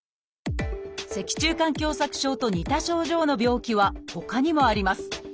脊柱管狭窄症と似た症状の病気はほかにもあります。